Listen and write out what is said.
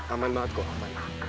aman banget kok